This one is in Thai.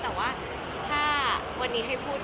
แต่ว่าถ้าวันนี้ให้พูด